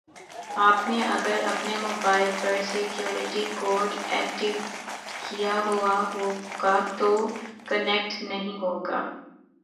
آپ نے اگر اپنے موبائل پر سیکیوریٹی کوڈ ایکٹیو کیا ہوا ہوگا تو کنیکٹ نہیں ہوگا